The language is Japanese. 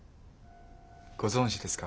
ご存じですか？